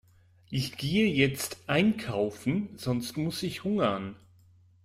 Ich gehe jetzt einkaufen, sonst muss ich hungern.